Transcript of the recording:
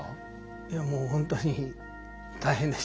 いやもうほんとに大変でした。